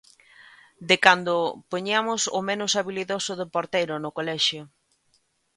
De cando poñiamos o menos habilidoso de porteiro no colexio.